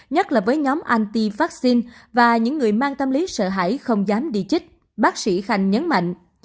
nhất là với nhóm anti vaccine và những người mang tâm lý sợ hãi không dám đi chích bác sĩ khanh nhấn mạnh